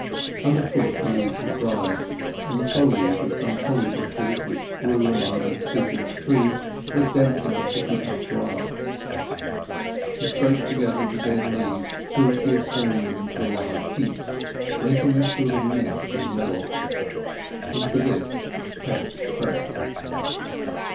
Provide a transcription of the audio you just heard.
Under foot the leaves were dry, and the foliage of some holly bushes which grew among the deciduous trees was dense enough to keep off draughts. She scraped together the dead leaves till she had formed them into a large heap, making a sort of nest in the middle. Into this Tess crept.